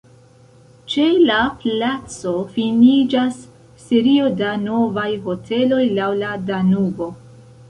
Ĉe la placo finiĝas serio da novaj hoteloj laŭ la Danubo.